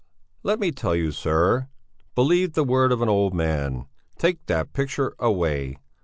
Let me tell you, sir! Believe the word of an old man: take that picture away!